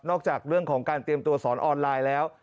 จากเรื่องของการเตรียมตัวสอนออนไลน์แล้ว